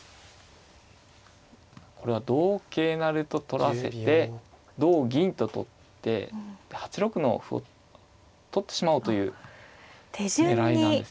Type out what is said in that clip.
これは同桂成と取らせて同銀と取って８六の歩取ってしまおうという狙いなんですね。